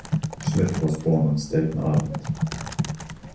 Schmitt was born on Staten Island.